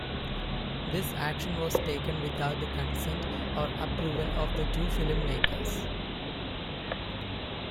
This action was taken without the consent or approval of the two filmmakers.